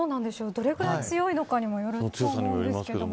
どれぐらい強いのかにもよると思うんですけど。